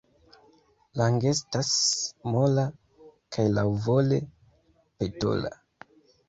Lang' estas mola kaj laŭvole petola.